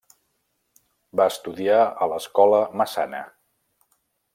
Va estudiar a l'escola Massana.